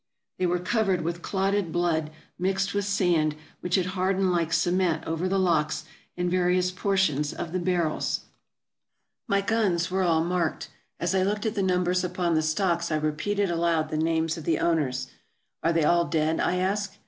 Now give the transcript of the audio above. They were covered 376 TRAVELERS AND EXPLORERS with clotted blood mixed with sand, which had hardened like cement over the locks and various portions of the bar rels. My guns were all marked. As I looked at the num bers upon the stocks, I repeated aloud the names of the owners. "Are they all dead?" I asked.